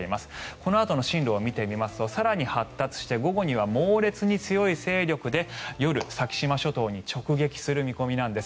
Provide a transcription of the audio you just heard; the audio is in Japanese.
このあとの進路を見てみますと更に発達して午後には猛烈に強い勢力で夜、先島諸島に直撃する見込みなんです。